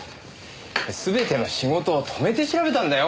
全ての仕事を止めて調べたんだよ